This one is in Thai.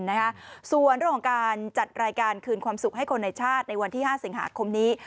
ส่วนเรื่องของการจัดรายการคืนความสุขให้คนในชาติในวันที่๕สิงหาคมนี้